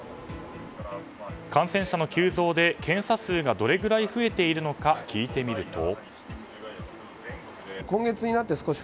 感染者の急増で検査数がどのくらい増えているのか聞いてみると。